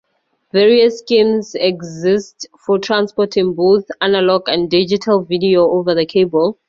Various schemes exist for transporting both analog and digital video over the cable.